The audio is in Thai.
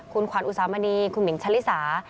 คุณขวัญอุสามณีคุณหิงชะลิสา